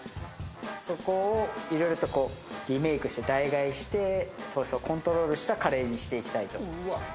そこをいろいろとリメイクして、代替して、糖質をコントロールしたカレーにしていきたいと。